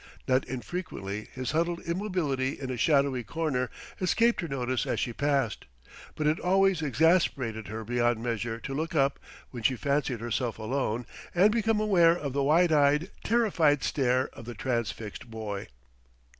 Not infrequently his huddled immobility in a shadowy corner escaped her notice as she passed. But it always exasperated her beyond measure to look up, when she fancied herself alone, and become aware of the wide eyed, terrified stare of the transfixed boy....